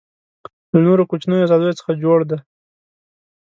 له نورو کوچنیو آزادیو څخه جوړ دی.